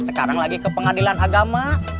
sekarang lagi ke pengadilan agama